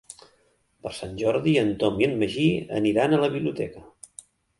Per Sant Jordi en Tom i en Magí aniran a la biblioteca.